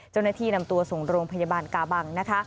เจ้าหน้าที่นำตัวส่งโรงพยาบาลกาบังนะคะ